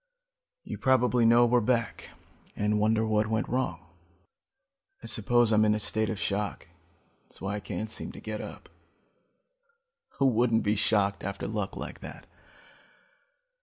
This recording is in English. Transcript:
You probably know we're back and wonder what went wrong. "I suppose I'm in a state of shock. That's why I can't seem to get up. Who wouldn't be shocked after luck like that?